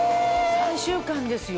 ３週間ですよ。